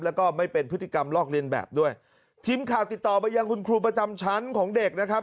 แล้วก็ไม่เป็นพฤติกรรมลอกเรียนแบบด้วยทีมข่าวติดต่อไปยังคุณครูประจำชั้นของเด็กนะครับ